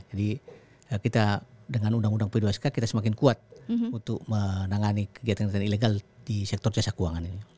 jadi kita dengan undang undang p dua sk kita semakin kuat untuk menangani kegiatan kegiatan ilegal di sektor ceseh keuangan ini